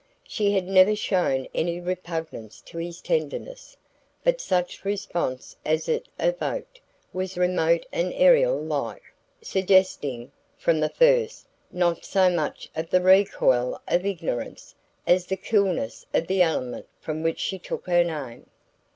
She had never shown any repugnance to his tenderness, but such response as it evoked was remote and Ariel like, suggesting, from the first, not so much of the recoil of ignorance as the coolness of the element from which she took her name.